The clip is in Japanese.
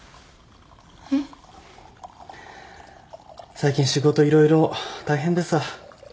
最近仕事色々大変でさ。